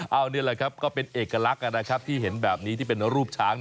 เอานี่แหละครับก็เป็นเอกลักษณ์นะครับที่เห็นแบบนี้ที่เป็นรูปช้าง